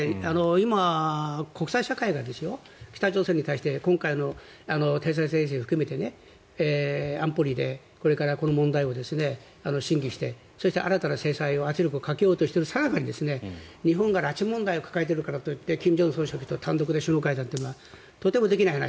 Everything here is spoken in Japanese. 今、国際社会が北朝鮮に対して今回の偵察衛星を含めて安保理でこれからこの問題を審議してそして、新たな制裁、圧力をかけようとしているさなかに日本が拉致問題を抱えているからと言って金正恩総書記と単独で首脳会談というのはとてもできない話。